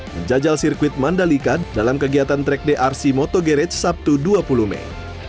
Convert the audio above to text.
menjajal sirkuit mandalika dalam kegiatan track drc motograge sabtu dua puluh mei